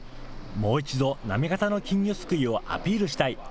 もう一度、行方の金魚すくいをアピールしたい。